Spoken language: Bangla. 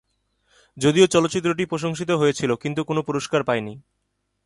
যদিও চলচ্চিত্রটি প্রশংসিত হয়েছিল কিন্তু কোনো পুরস্কার পায়নি।